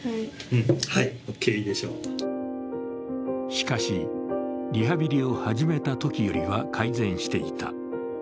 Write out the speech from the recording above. しかし、リハビリを始めたときよりは改善していた。